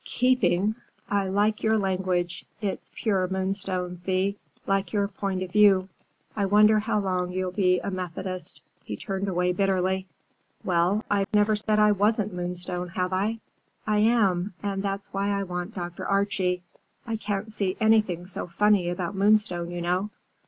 "Keeping! I like your language. It's pure Moonstone, Thea,—like your point of view. I wonder how long you'll be a Methodist." He turned away bitterly. "Well, I've never said I wasn't Moonstone, have I? I am, and that's why I want Dr. Archie. I can't see anything so funny about Moonstone, you know."